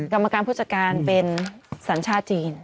กรรมการผู้จัดการเป็นสัญชาติจีน